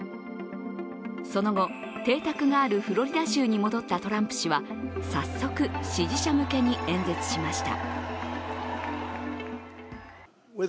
その後、邸宅があるフロリダ州に戻ったトランプ氏は早速、支持者向けに演説しました。